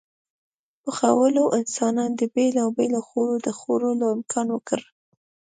پخولو انسان ته د بېلابېلو خوړو د خوړلو امکان ورکړ.